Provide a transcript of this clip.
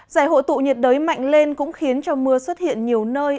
giải hội tụ nhiệt đới mạnh lên cũng khiến cho mưa xuất hiện nhiều nơi